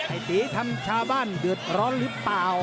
ตีทำชาวบ้านเดือดร้อนหรือเปล่า